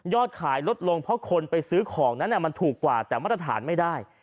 ขายลดลงเพราะคนไปซื้อของนั้นมันถูกกว่าแต่มาตรฐานไม่ได้